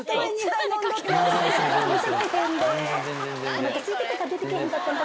おなかすいてたから出てけえへんかったんか